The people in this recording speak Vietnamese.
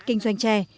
kinh doanh trè